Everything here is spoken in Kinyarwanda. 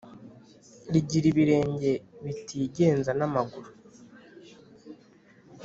rigira ibirenge bitigenza namaguru